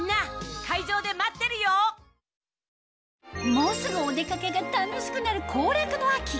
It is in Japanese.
もうすぐお出かけが楽しくなる行楽の秋